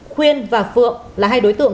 khuyên và phượng là hai đối tượng